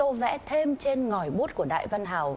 lẽ thêm trên ngòi bút của đại văn hào